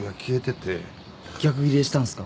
逆ギレしたんすか？